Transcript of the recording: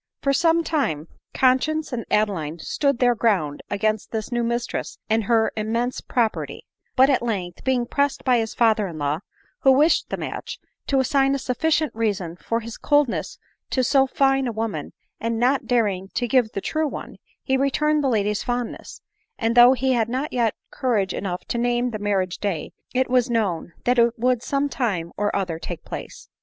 For some lime conscience and Adeline stood their ground against this new mistress and her immense property ; but at length, being pressed by his father in law, who wished the match, to assign a sufficient reason for his coldness to so fine a woman, and not daring to give the true one, he returned the lady's fondness ; and though he had not yet courage enough to name the marriage day, it was known that it would some time or other take place.